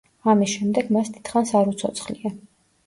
ამის შემდეგ მას დიდხანს არ უცოცხლია.